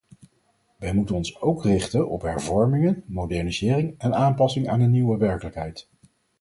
Wij moeten ons ook richten op hervormingen, modernisering en aanpassing aan een nieuwe werkelijkheid.